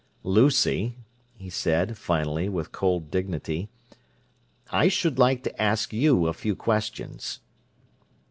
"Lucy," he said, finally, with cold dignity, "I should like to ask you a few questions."